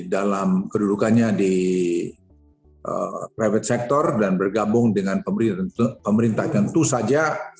dalam kedudukannya di private sector dan bergabung dengan pemerintah tentu saja